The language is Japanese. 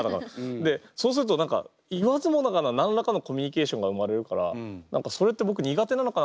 でそうすると何か言わずもがな何らかのコミュニケーションが生まれるから何かそれって僕苦手なのかな？